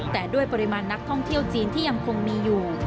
แต่ด้วยปริมาณนักท่องเที่ยวจีนที่ยังคงมีอยู่